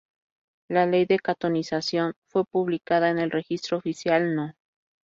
La ley de cantonización fue publicada en el Registro Oficial No.